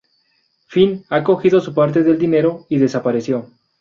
Finn ha cogido su parte del dinero y desapareció.